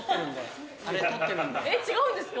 えっ違うんですか？